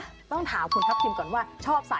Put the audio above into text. อย่างแรกเลยก็คือการทำบุญเกี่ยวกับเรื่องของพวกการเงินโชคลาภ